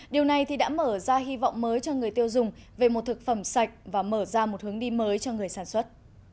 điều này đã mở ra hy vọng mới cho người tiêu dùng về một thực phẩm sạch và mở ra một hướng đi mới cho người sản xuất